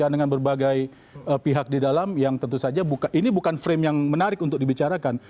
dengan berbagai pihak di dalam yang tentu saja ini bukan frame yang menarik untuk dibicarakan